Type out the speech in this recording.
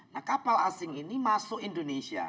nah kapal asing ini masuk indonesia